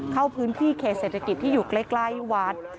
เข้าพื้นที่เขตเศรษฐกิจที่อยู่ใกล้วัด